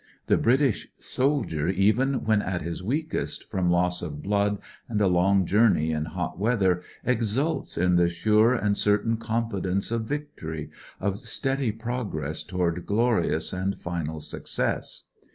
The British soldier, even when at his weakest, from loss of blood and a long journey in hot weather, exults in the sure and certain confidence of victory, of steady progress toward glorious and final success.